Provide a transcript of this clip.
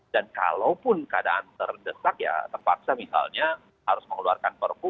dan kalaupun keadaan terdesak ya terpaksa misalnya harus mengeluarkan perpu